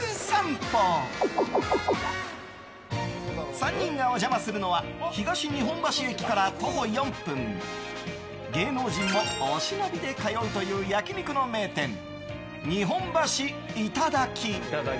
３人がお邪魔するのは東日本橋駅から徒歩４分芸能人もお忍びで通うという焼き肉の名店、日本橋イタダキ。